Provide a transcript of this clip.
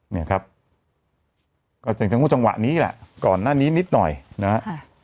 เนี่ยครับก็จะเห็นจังหวะนี้แหละก่อนหน้านี้นิดหน่อยนะฮะ